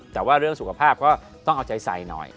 แต่ว่าเรื่องสุขภาพก็ต้องเอาใจใส่หน่อย